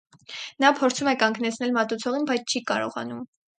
Նա փորձում է կանգնեցնել մատուցողին, բայց չի կարողանում։